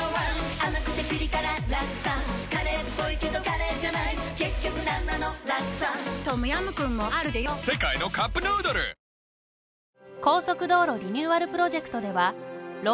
甘くてピリ辛ラクサカレーっぽいけどカレーじゃない結局なんなのラクサトムヤムクンもあるでヨ世界のカップヌードル迎えた８４回目の挑戦いいよ。